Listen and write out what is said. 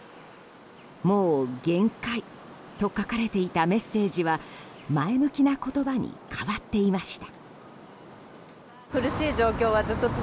もう限界と書かれていたメッセージは前向きな言葉に変わっていました。